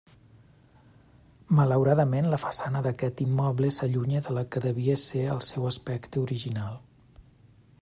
Malauradament, la façana d'aquest immoble s'allunya de la que devia ser el seu aspecte original.